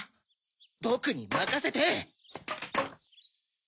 ボクにまかせて！